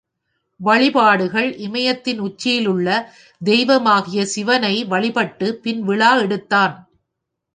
வழிபாடுகள் இமயத்தின் உச்சியில் உள்ள தெய்வமாகிய சிவனை வழிபட்டுப் பின் விழா எடுத்தான்.